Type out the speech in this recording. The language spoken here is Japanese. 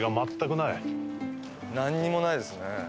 なんにもないですね。